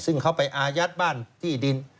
ซึ่งเขาไปอายัดบ้านที่ดิน